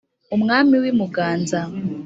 umwami w’i muganza,